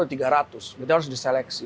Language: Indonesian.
udah tiga ratus kita harus diseleksi